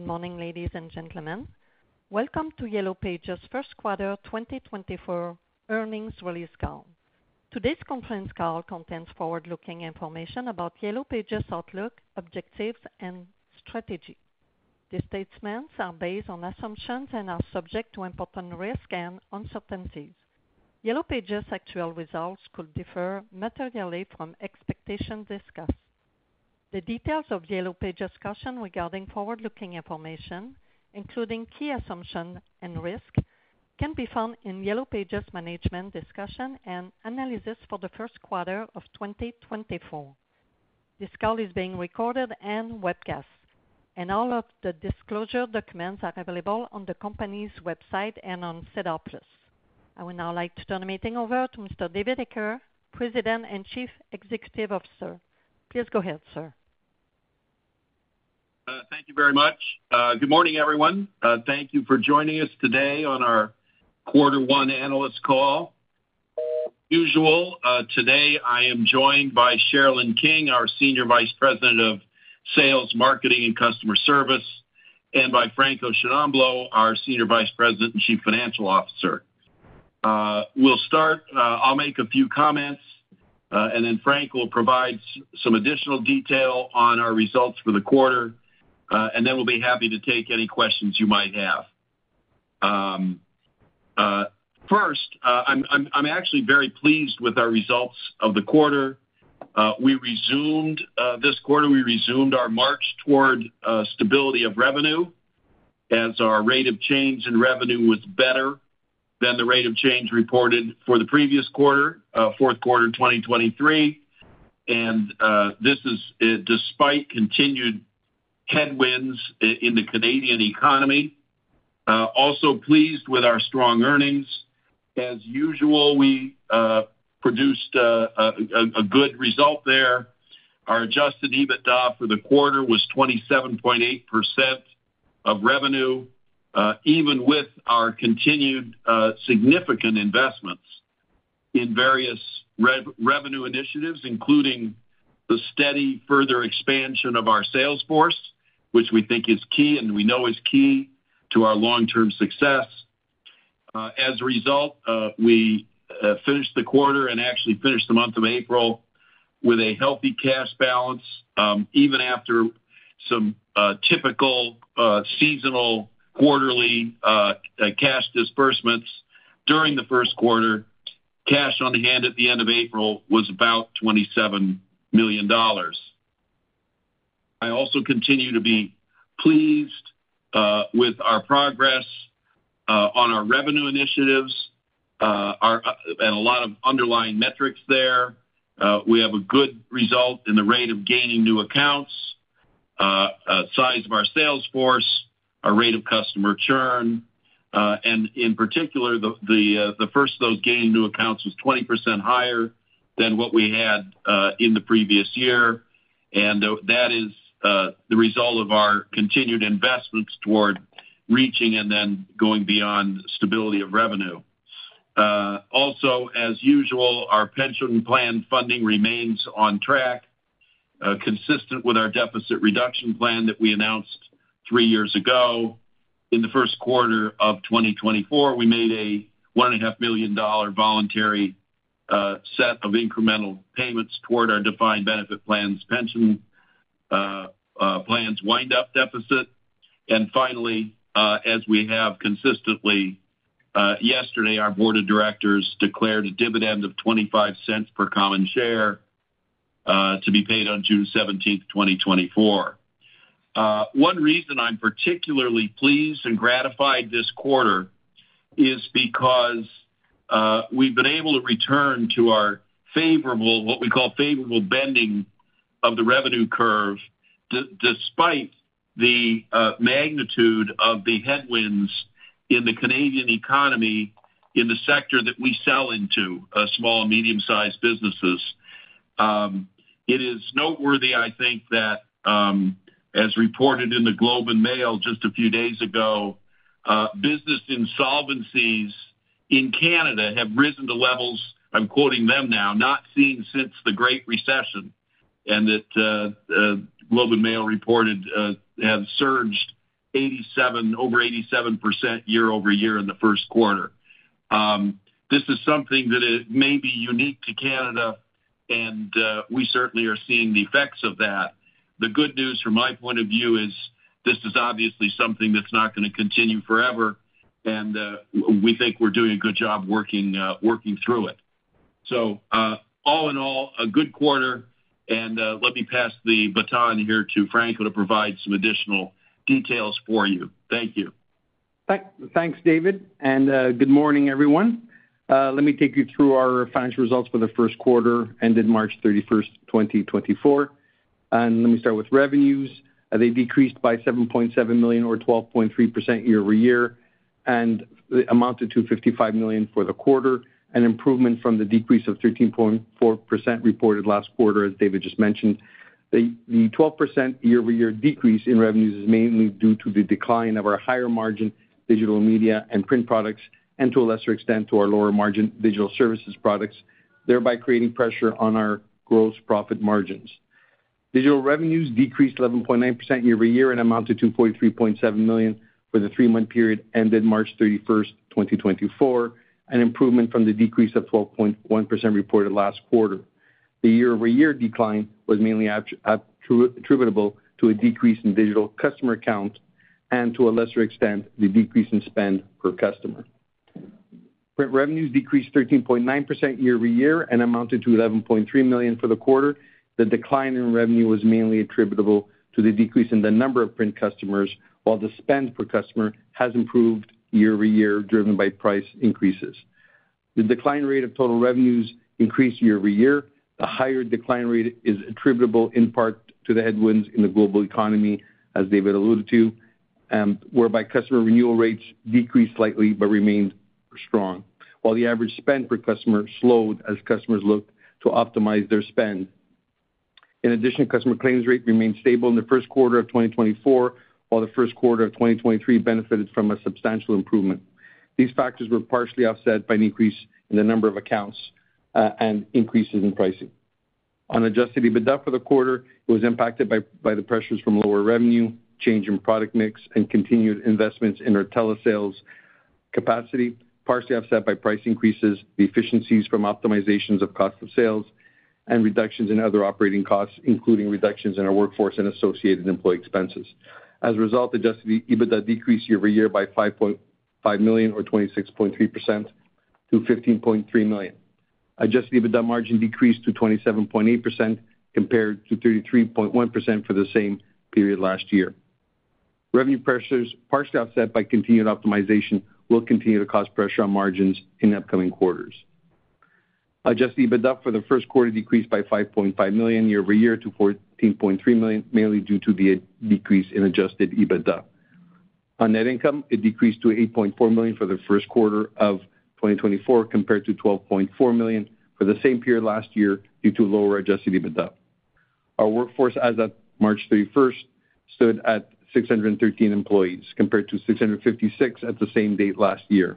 Morning, ladies and gentlemen. Welcome to Yellow Pages' first quarter 2024 earnings release call. Today's conference call contains forward-looking information about Yellow Pages' outlook, objectives, and strategy. The statements are based on assumptions and are subject to important risks and uncertainties. Yellow Pages' actual results could differ materially from expectations discussed. The details of Yellow Pages' caution regarding forward-looking information, including key assumptions and risks, can be found in Yellow Pages' Management's Discussion and Analysis for the first quarter of 2024. This call is being recorded and webcast, and all of the disclosure documents are available on the company's website and on SEDAR+. I would now like to turn the meeting over to Mr. David Eckert, President and Chief Executive Officer. Please go ahead, sir. Thank you very much. Good morning, everyone. Thank you for joining us today on our quarter one analyst call. As usual, today I am joined by Sherilyn King, our Senior Vice President of Sales, Marketing, and Customer Service, and by Franco Sciannamblo, our Senior Vice President and Chief Financial Officer. I'll make a few comments, and then Frank will provide some additional detail on our results for the quarter, and then we'll be happy to take any questions you might have. First, I'm actually very pleased with our results of the quarter. We resumed this quarter. We resumed our march toward stability of revenue as our rate of change in revenue was better than the rate of change reported for the previous quarter, fourth quarter 2023. This is despite continued headwinds in the Canadian economy. Also pleased with our strong earnings. As usual, we produced a good result there. Our Adjusted EBITDA for the quarter was 27.8% of revenue, even with our continued significant investments in various revenue initiatives, including the steady further expansion of our sales force, which we think is key and we know is key to our long-term success. As a result, we finished the quarter and actually finished the month of April with a healthy cash balance, even after some typical seasonal quarterly cash disbursements. During the first quarter, cash on hand at the end of April was about 27 million dollars. I also continue to be pleased with our progress on our revenue initiatives and a lot of underlying metrics there. We have a good result in the rate of gaining new accounts, size of our sales force, our rate of customer churn. In particular, the first of those gaining new accounts was 20% higher than what we had in the previous year, and that is the result of our continued investments toward reaching and then going beyond stability of revenue. Also, as usual, our pension plan funding remains on track, consistent with our deficit reduction plan that we announced three years ago. In the first quarter of 2024, we made a 1.5 million dollar voluntary set of incremental payments toward our defined benefit pension plans' wind-up deficit. Finally, as we have consistently, yesterday our board of directors declared a dividend of 0.25 per common share to be paid on June 17th, 2024. One reason I'm particularly pleased and gratified this quarter is because we've been able to return to our favorable, what we call favorable, bending of the revenue curve despite the magnitude of the headwinds in the Canadian economy in the sector that we sell into, small and medium-sized businesses. It is noteworthy, I think, that as reported in the Globe and Mail just a few days ago, business insolvencies in Canada have risen to levels, I'm quoting them now, "not seen since the Great Recession," and that Globe and Mail reported they have surged over 87% year-over-year in the first quarter. This is something that may be unique to Canada, and we certainly are seeing the effects of that. The good news from my point of view is this is obviously something that's not going to continue forever, and we think we're doing a good job working through it. All in all, a good quarter, and let me pass the baton here to Franco to provide some additional details for you. Thank you. Thanks, David, and good morning, everyone. Let me take you through our financial results for the first quarter ended March 31st, 2024. Let me start with revenues. They decreased by 7.7 million or 12.3% year-over-year and amounted to 55 million for the quarter, an improvement from the decrease of 13.4% reported last quarter, as David just mentioned. The 12% year-over-year decrease in revenues is mainly due to the decline of our higher margin digital media and print products and to a lesser extent to our lower margin digital services products, thereby creating pressure on our gross profit margins. Digital revenues decreased 11.9% year-over-year and amounted to 43.7 million for the three-month period ended March 31st, 2024, an improvement from the decrease of 12.1% reported last quarter. The year-over-year decline was mainly attributable to a decrease in digital customer count and to a lesser extent the decrease in spend per customer. Print revenues decreased 13.9% year-over-year and amounted to 11.3 million for the quarter. The decline in revenue was mainly attributable to the decrease in the number of print customers, while the spend per customer has improved year-over-year driven by price increases. The decline rate of total revenues increased year-over-year. The higher decline rate is attributable in part to the headwinds in the global economy, as David alluded to, whereby customer renewal rates decreased slightly but remained strong, while the average spend per customer slowed as customers looked to optimize their spend. In addition, customer claims rate remained stable in the first quarter of 2024, while the first quarter of 2023 benefited from a substantial improvement. These factors were partially offset by an increase in the number of accounts and increases in pricing. On Adjusted EBITDA for the quarter, it was impacted by the pressures from lower revenue, change in product mix, and continued investments in our telesales capacity, partially offset by price increases, efficiencies from optimizations of cost of sales, and reductions in other operating costs, including reductions in our workforce and associated employee expenses. As a result, Adjusted EBITDA decreased year-over-year by 5.5 million or 26.3% to 15.3 million. Adjusted EBITDA margin decreased to 27.8% compared to 33.1% for the same period last year. Revenue pressures, partially offset by continued optimization, will continue to cause pressure on margins in upcoming quarters. Adjusted EBITDA for the first quarter decreased by 5.5 million year-over-year to 14.3 million, mainly due to the decrease in Adjusted EBITDA. On net income, it decreased to 8.4 million for the first quarter of 2024 compared to 12.4 million for the same period last year due to lower Adjusted EBITDA. Our workforce as of March 31st stood at 613 employees compared to 656 at the same date last year.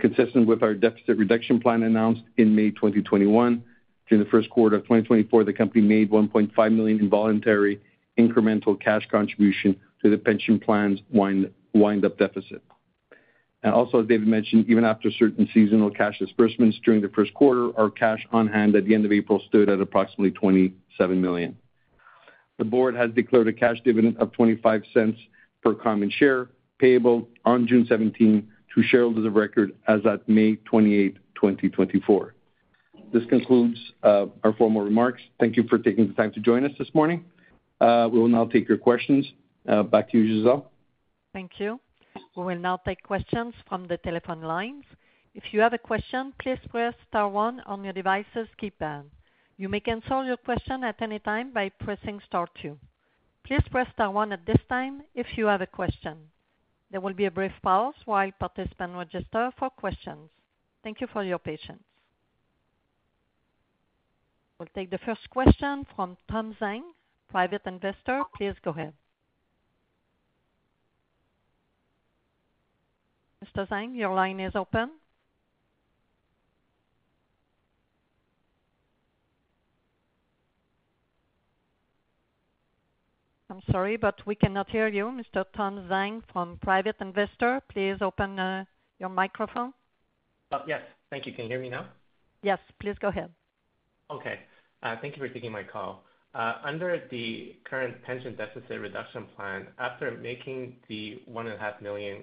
Consistent with our deficit reduction plan announced in May 2021, during the first quarter of 2024, the company made 1.5 million involuntary incremental cash contribution to the pension plans wind-up deficit. As David mentioned, even after certain seasonal cash disbursements during the first quarter, our cash on hand at the end of April stood at approximately 27 million. The board has declared a cash dividend of 0.25 per common share payable on June 17th to shareholders of record as of May 28th, 2024. This concludes our formal remarks. Thank you for taking the time to join us this morning. We will now take your questions. Back to you, Giselle. Thank you. We will now take questions from the telephone lines. If you have a question, please press star one on your device's keypad. You may answer your question at any time by pressing star two. Please press star one at this time if you have a question. There will be a brief pause while participants register for questions. Thank you for your patience. We'll take the first question from Tom Zhang, private investor. Please go ahead. Mr. Zhang, your line is open. I'm sorry, but we cannot hear you. Mr. Tom Zhang from private investor, please open your microphone. Yes. Thank you. Can you hear me now? Yes. Please go ahead. Okay. Thank you for taking my call. Under the current pension deficit reduction plan, after making the 1.5 million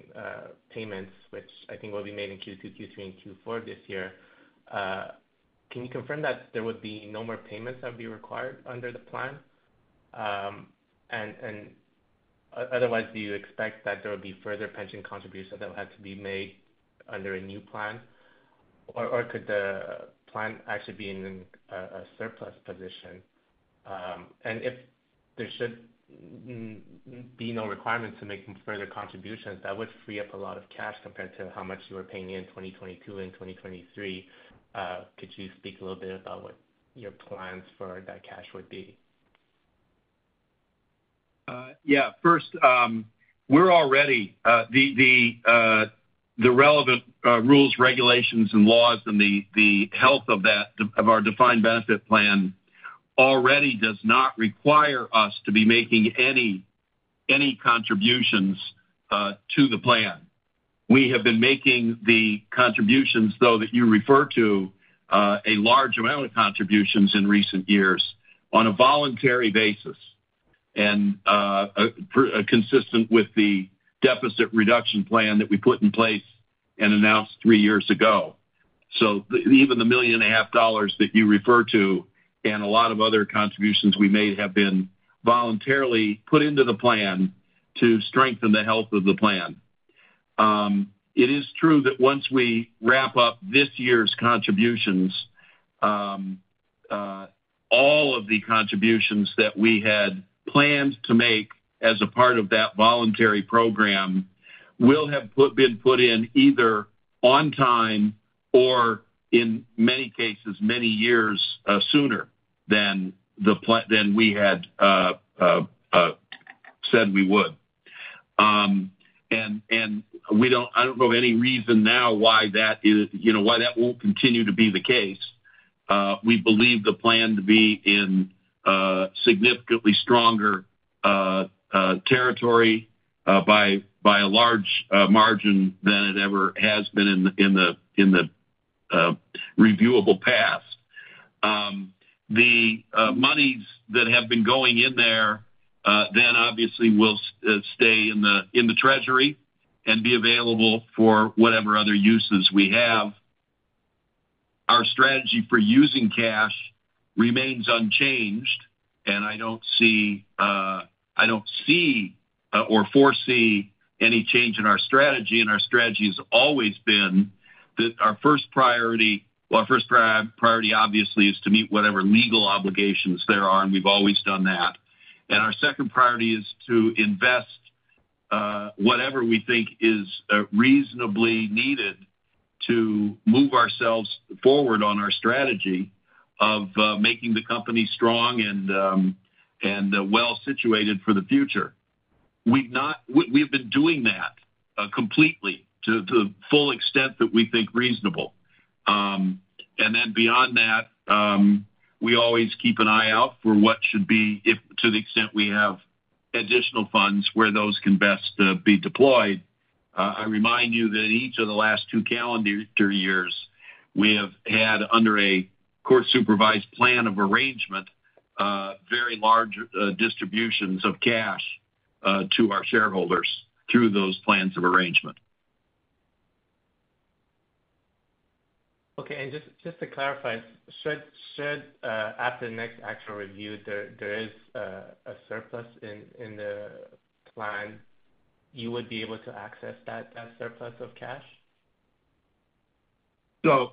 payments, which I think will be made in Q2, Q3, and Q4 this year, can you confirm that there would be no more payments that would be required under the plan? And otherwise, do you expect that there would be further pension contributions that would have to be made under a new plan, or could the plan actually be in a surplus position? And if there should be no requirement to make further contributions, that would free up a lot of cash compared to how much you were paying in 2022 and 2023. Could you speak a little bit about what your plans for that cash would be? Yeah. First, we're already complying with the relevant rules, regulations, and laws, and the health of our defined benefit plan already does not require us to be making any contributions to the plan. We have been making the contributions, though, that you refer to, a large amount of contributions in recent years on a voluntary basis and consistent with the deficit reduction plan that we put in place and announced three years ago. So even the 1.5 million that you refer to and a lot of other contributions we made have been voluntarily put into the plan to strengthen the health of the plan. It is true that once we wrap up this year's contributions, all of the contributions that we had planned to make as a part of that voluntary program will have been put in either on time or, in many cases, many years sooner than we had said we would. I don't know of any reason now why that won't continue to be the case. We believe the plan to be in significantly stronger territory by a large margin than it ever has been in the reviewable past. The monies that have been going in there then obviously will stay in the treasury and be available for whatever other uses we have. Our strategy for using cash remains unchanged, and I don't see or foresee any change in our strategy. Our strategy has always been that our first priority, well, our first priority obviously is to meet whatever legal obligations there are, and we've always done that. Our second priority is to invest whatever we think is reasonably needed to move ourselves forward on our strategy of making the company strong and well-situated for the future. We've been doing that completely to the full extent that we think reasonable. Then beyond that, we always keep an eye out for what should be to the extent we have additional funds where those can best be deployed. I remind you that in each of the last two calendar years, we have had, under a court-supervised plan of arrangement, very large distributions of cash to our shareholders through those plans of arrangement. Okay. And just to clarify, should, after the next actual review, there is a surplus in the plan, you would be able to access that surplus of cash? So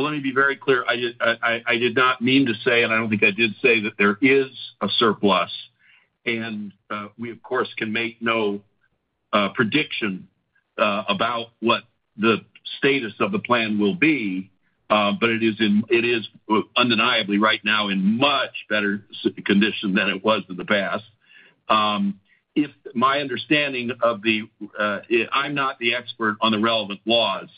let me be very clear. I did not mean to say, and I don't think I did say, that there is a surplus. And we, of course, can make no prediction about what the status of the plan will be, but it is undeniably right now in much better condition than it was in the past. My understanding of the, I'm not the expert on the relevant laws,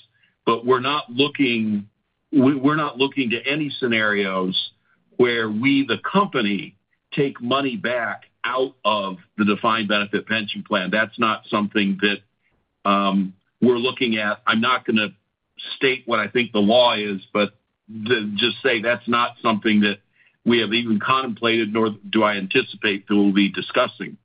but we're not looking to any scenarios where we, the company, take money back out of the defined benefit pension plan. That's not something that we're looking at. I'm not going to state what I think the law is, but just say that's not something that we have even contemplated nor do I anticipate that we'll be discussing.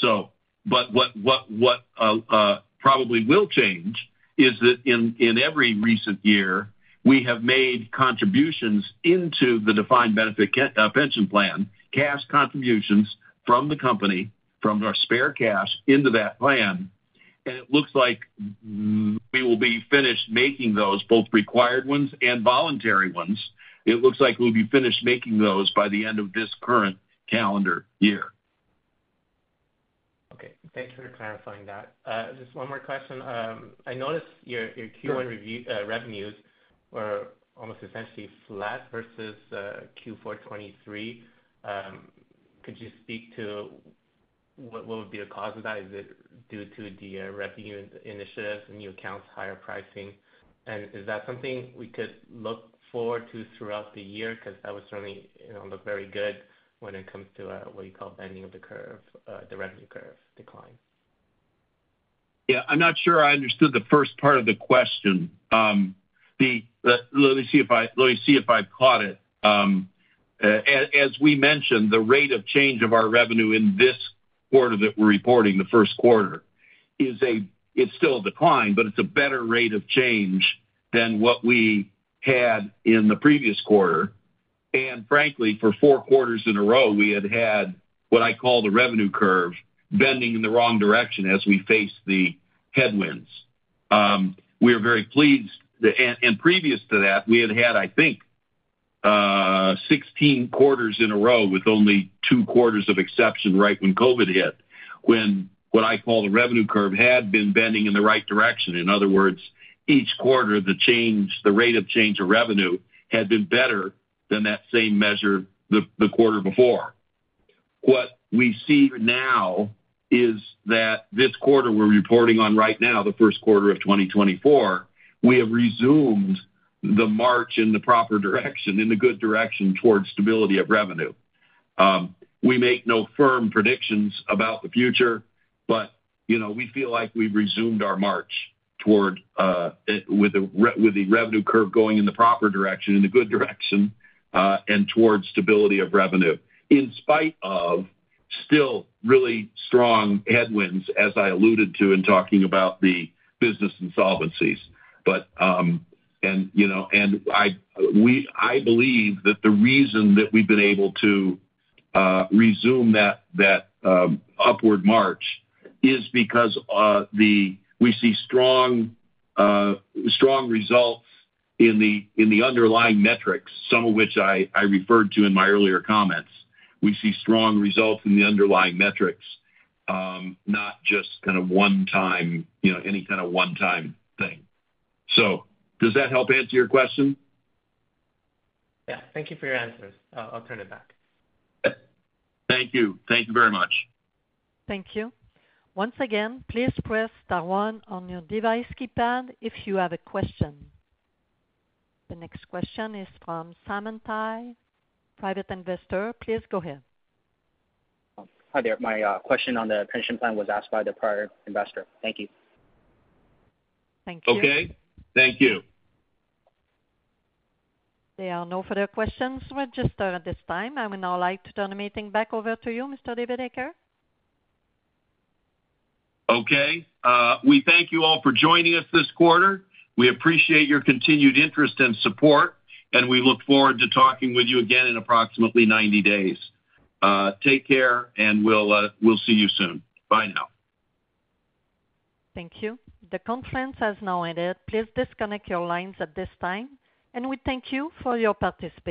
What probably will change is that in every recent year, we have made contributions into the defined benefit pension plan, cash contributions from the company, from our spare cash into that plan. It looks like we will be finished making those, both required ones and voluntary ones. It looks like we'll be finished making those by the end of this current calendar year. Okay. Thanks for clarifying that. Just one more question. I noticed your Q1 revenues were almost essentially flat versus Q4 2023. Could you speak to what would be the cause of that? Is it due to the revenue initiatives, the new accounts, higher pricing? And is that something we could look forward to throughout the year? Because that would certainly look very good when it comes to what you call bending of the revenue curve decline. Yeah. I'm not sure I understood the first part of the question. Let me see if I caught it. As we mentioned, the rate of change of our revenue in this quarter that we're reporting, the first quarter, is still a decline, but it's a better rate of change than what we had in the previous quarter. And frankly, for four quarters in a row, we had had what I call the revenue curve bending in the wrong direction as we faced the headwinds. We are very pleased. And previous to that, we had had, I think, 16 quarters in a row with only two quarters of exception right when COVID hit, when what I call the revenue curve had been bending in the right direction. In other words, each quarter, the rate of change of revenue had been better than that same measure the quarter before. What we see now is that this quarter we're reporting on right now, the first quarter of 2024, we have resumed the march in the proper direction, in the good direction toward stability of revenue. We make no firm predictions about the future, but we feel like we've resumed our march with the revenue curve going in the proper direction, in the good direction, and toward stability of revenue in spite of still really strong headwinds, as I alluded to in talking about the business insolvencies. I believe that the reason that we've been able to resume that upward march is because we see strong results in the underlying metrics, some of which I referred to in my earlier comments. We see strong results in the underlying metrics, not just kind of one-time any kind of one-time thing. So does that help answer your question? Yeah. Thank you for your answers. I'll turn it back. Thank you. Thank you very much. Thank you. Once again, please press star one on your device keypad if you have a question. The next question is from Simon Tye, private investor. Please go ahead. Hi there. My question on the pension plan was asked by the prior investor. Thank you. Thank you. Okay. Thank you. There are no further questions registered at this time. I would now like to turn everything back over to you, Mr. David Eckert. Okay. We thank you all for joining us this quarter. We appreciate your continued interest and support, and we look forward to talking with you again in approximately 90 days. Take care, and we'll see you soon. Bye now. Thank you. The conference has now ended. Please disconnect your lines at this time, and we thank you for your participation.